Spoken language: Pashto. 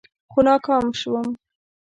خو ناکام شوم.